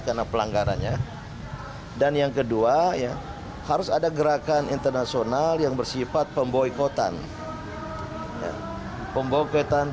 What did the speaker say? karena pelanggarannya dan yang kedua harus ada gerakan internasional yang bersifat pemboikotan